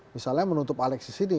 misalnya menutup aleksis ini